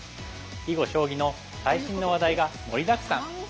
囲碁将棋の最新の話題が盛りだくさん。